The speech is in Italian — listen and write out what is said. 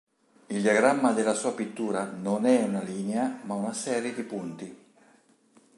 Il diagramma della sua pittura non è una linea ma una serie di punti.